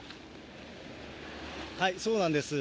そうなんです。